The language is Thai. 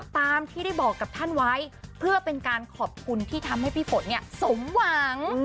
ตามที่ได้บอกกับท่านไว้เพื่อเป็นการขอบคุณที่ทำให้พี่ฝนเนี่ยสมหวัง